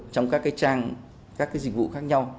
trong các cái trang các cái dịch vụ khác nhau